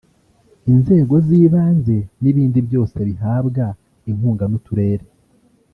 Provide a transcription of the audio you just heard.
inzego z’ibanze n’ibindi byose bihabwa inkunga n’uturere